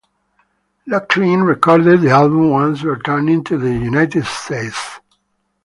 Locklin recorded the album once returning to the United States.